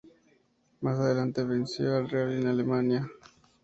Más adelante venció en el Rally de Alemania.